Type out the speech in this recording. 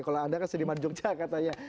kalau anda kan seniman jogja katanya